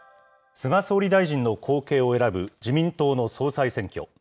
菅総理大臣の後継を選ぶ自民党の総裁選挙。